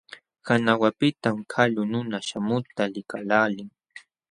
Qawanapiqtam kalu nuna śhamuqta likaqlaalin.